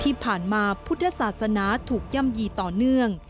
ที่ผ่านมาพุทธศาสนาถูกย่ำยีต่อเนื่อง